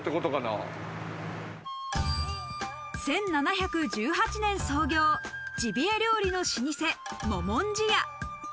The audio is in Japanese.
１７１８年創業、ジビエ料理の老舗・ももんじや。